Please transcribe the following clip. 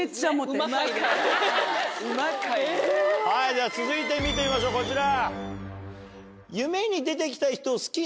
じゃ続いて見てみましょうこちら。